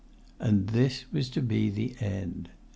And this was to be the end!